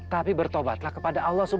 tapi bertobatlah kepada allah swt